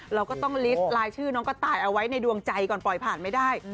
เราก็ต้องลิสต์ลายชื่อน้องกระต่ายเอาไว้ในดวงใจก่อนปล่อยผ่านไม่ได้